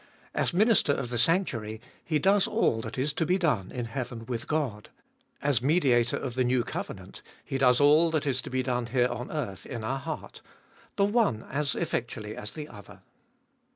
As Minister of the sanctuary He does all that is to be done in heaven with God ; as Mediator of the new covenant He does all that is to be done here on earth, in our heart — the one as effectually as the other.